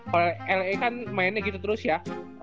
kalau la kan mainnya gitu terus ya